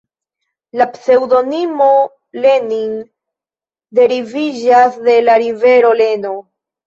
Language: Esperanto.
La pseŭdonimo Lenin deriviĝas de la rivero Leno.